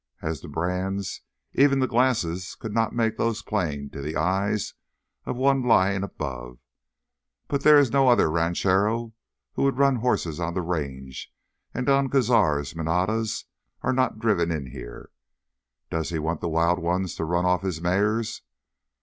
As to brands, even the glasses could not make those plain to the eyes of one lying above. But there is no other ranchero who would run horses on the Range and Don Cazar's manadas are not driven in here—does he want the wild ones to run off his mares?